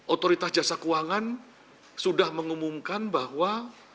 otoritas jasa keuangan sudah mengumumkan bahwa